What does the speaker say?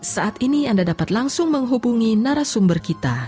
saat ini anda dapat langsung menghubungi narasumber kita